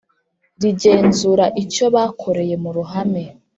rigenzura icyo bakoreye mu ruhame